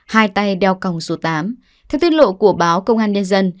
hai tay đeo còng số tám theo tiết lộ của báo công an nhân dân